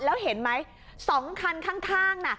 แล้วเห็นไหม๒คันข้างน่ะ